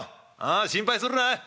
ああ心配するな。